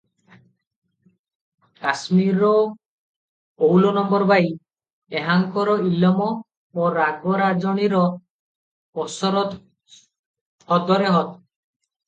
କାଶ୍ମୀରର ଅଉଲ ନମ୍ବର ବାଈ -ଏହାଙ୍କର ଇଲମ ଓ ରାଗରାଜଣୀର କସରତ୍ ହଦରେ ହଦ୍ ।